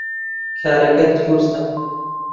کارەکەت دروستە